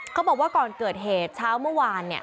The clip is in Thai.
บอกว่าก่อนเกิดเหตุเช้าเมื่อวานเนี่ย